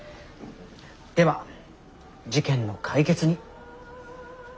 では事件の解決に。